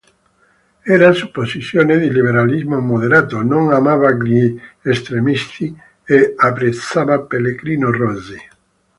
Era su posizioni di liberalismo moderato: non amava gli estremisti e apprezzava Pellegrino Rossi.